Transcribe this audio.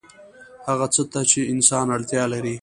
هغه څه ته چې انسان اړتیا لري